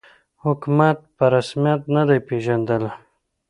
حکومت په رسمیت نه دی پېژندلی